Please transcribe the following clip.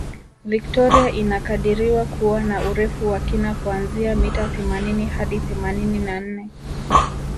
Victoria inakadiriwa kuwa na Urefu wa kina kuanzia mita themanini hadi themanini na nne